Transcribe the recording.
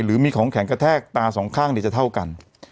หรือมีของแข็งกระแทกตาสองข้างจะเท่ากัน